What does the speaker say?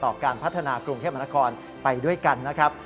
การพัฒนากรุงเทพมนาคอนไปด้วยกันนะครับ